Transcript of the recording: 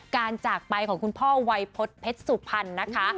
จากไปของคุณพ่อวัยพฤษเพชรสุพรรณนะคะ